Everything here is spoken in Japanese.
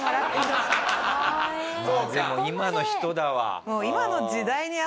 まあでも今の人だわ。